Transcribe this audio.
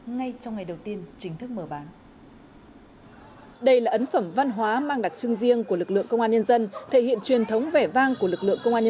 ngay trong ngày đầu tiên chính thức